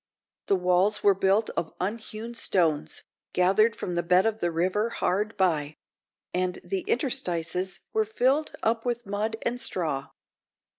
The walls were built of unhewn stones, gathered from the bed of the river hard by; and the interstices were filled up with mud and straw.